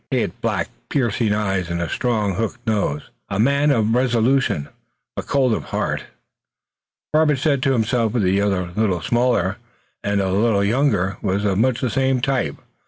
He had black, piercing eyes and a strong hooked nose. A man of resolution but cold of heart, Robert said to himself. The other, a little smaller, and a little younger, was of much the same type.